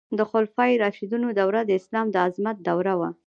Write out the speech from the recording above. د خلفای راشدینو دوره د اسلام د عظمت دوره وه.